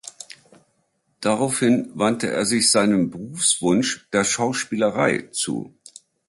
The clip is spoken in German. Daraufhin wandte er sich seinem Berufswunsch, der Schauspielerei, zu.